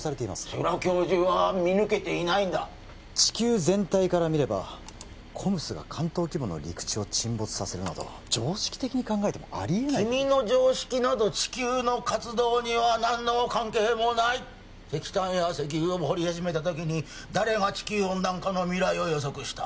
世良教授は見抜けていないんだ地球全体からみればＣＯＭＳが関東規模の陸地を沈没させるなど常識的に考えてもありえない君の常識など地球の活動には何の関係もない石炭や石油を掘り始めた時に誰が地球温暖化の未来を予測した？